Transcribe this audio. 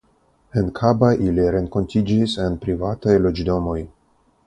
En Kaba ili renkontiĝis en privataj loĝdomoj.